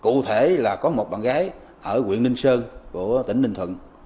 cụ thể là có một bạn gái ở ninh sơn tỉnh ninh thuận